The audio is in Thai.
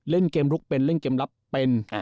เล่นเกมลุกเป็นเล่นเกมรับเป็น